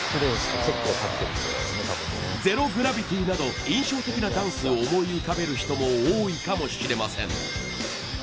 ゼロ・グラヴィティなど印象的なダンスを思い浮かべる人も多いかもしれません。